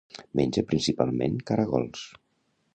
Menja principalment caragols.